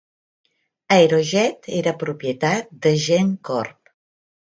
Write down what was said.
Aerojet era propietat de Gen Corp.